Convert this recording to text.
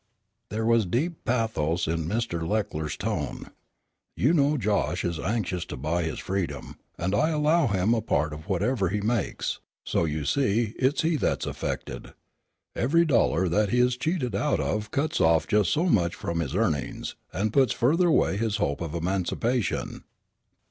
There was deep pathos in Mr. Leckler's tone. "You know Josh is anxious to buy his freedom, and I allow him a part of whatever he makes; so you see it's he that's affected. Every dollar that he is cheated out of cuts off just so much from his earnings, and puts further away his hope of emancipation."